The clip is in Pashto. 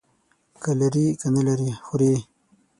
که لري، که نه لري، خوري.